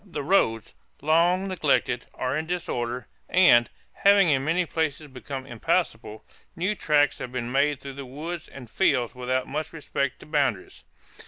The roads, long neglected, are in disorder and, having in many places become impassable, new tracks have been made through the woods and fields without much respect to boundaries."